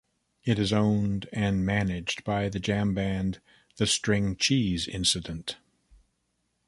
It is owned and managed by the jam band The String Cheese Incident.